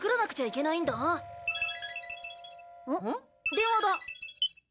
電話だ。